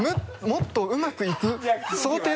もっとうまくいく想定？